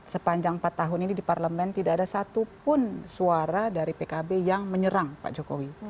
sepanjang empat tahun ini di parlemen tidak ada satupun suara dari pkb yang menyerang pak jokowi